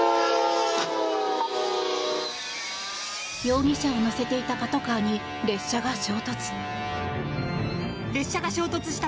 容疑者を乗せていたパトカーに列車が衝突。